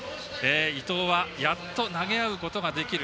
伊藤はやっと投げ合うことができる。